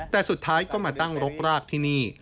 แต่สุดท้ายก็มาตั้งรกรากที่นี่